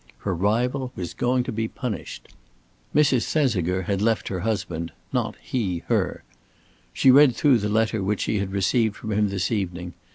Her rival was going to be punished. Mrs. Thesiger had left her husband, not he her. She read through the letter which she had received from him this evening.